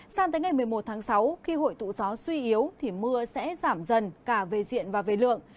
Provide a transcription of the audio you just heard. sang tới ngày một mươi một tháng sáu khi hội tụ gió suy yếu thì mưa sẽ giảm dần cả về diện và về lượng